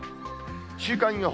週間予報。